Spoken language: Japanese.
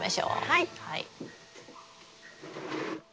はい。